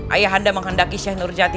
ayah anda menghendaki seh nurjati